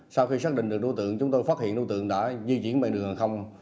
sau khi xác định được đối tượng chúng tôi phát hiện đối tượng đã di chuyển về đường hàng không